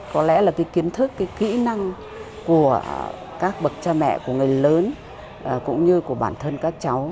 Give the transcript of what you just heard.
có lẽ là cái kiến thức cái kỹ năng của các bậc cha mẹ của người lớn cũng như của bản thân các cháu